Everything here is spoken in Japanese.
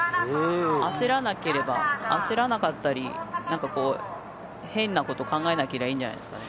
焦らなければ焦らなかったり変なこと考えなけりゃいいんじゃないですかね。